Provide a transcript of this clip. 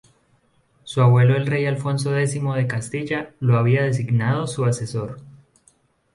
Su abuelo el rey Alfonso X de Castilla lo había designado su sucesor.